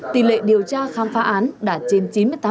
tỷ lệ điều tra khám phá án đạt trên chín mươi tám